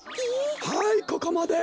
はいここまで！